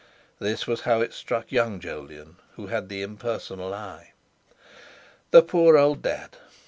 This was how it struck young Jolyon, who had the impersonal eye. The poor old Dad!